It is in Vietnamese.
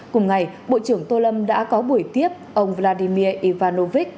cùng ngày bộ trưởng tô lâm đã có buổi tiếp ông vladimir ivanovich